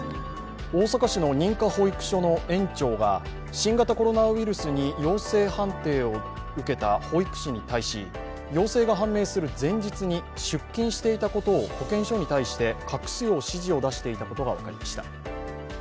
大阪市の認可保育所の延長が新型コロナウイルスに陽性判定を受けた保育士に対し、陽性が判明する前日に出勤していたことを保健所に対して隠すよう指示を出していたことが分かりました。